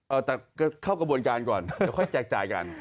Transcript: เอาแต่เข้ากระบวนการก่อนเดี๋ยวค่อยแจกจ่ายกัน